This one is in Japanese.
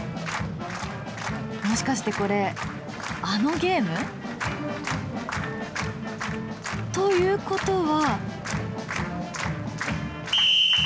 もしかしてこれあのゲーム？ということは。